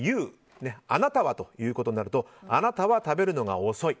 あなたはということになるとあなたは食べるのが遅い